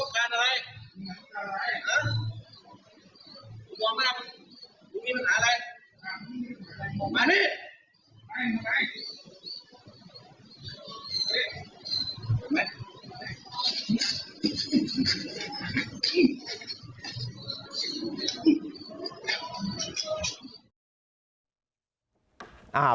เกิดอะไรขึ้น